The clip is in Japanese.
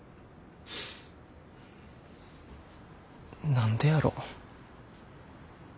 何でやろ。